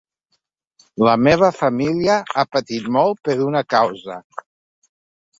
La meva família ha patit molt per una causa.